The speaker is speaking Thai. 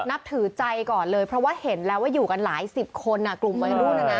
นับถือใจก่อนเลยเพราะว่าเห็นแล้วว่าอยู่กันหลายสิบคนกลุ่มวัยรุ่นนะนะ